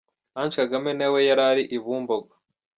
Ange Kagame na we yari ari i Bumbogo.